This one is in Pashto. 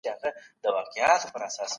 وزن باید کنټرول وساتل شي.